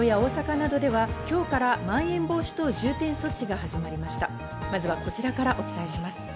まずは、こちらからお伝えします。